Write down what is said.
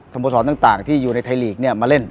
สมบัติศาสตร์ต่างที่อยู่ในไทยลีกมาเล่น